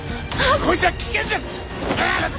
こいつは危険です！